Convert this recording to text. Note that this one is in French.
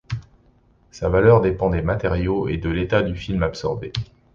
Sa valeur dépend des matériaux et de l'état du film absorbé.